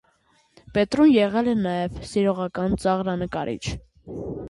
Պետրուն եղել է նաև սիրողական ծաղրանկարիչ։